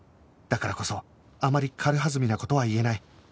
だからこそあまり軽はずみな事は言えない